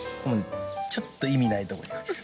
ちょっと意味ないところにかける。